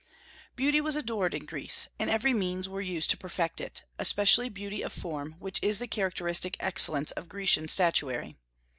Beauty was adored in Greece, and every means were used to perfect it, especially beauty of form, which is the characteristic excellence of Grecian statuary.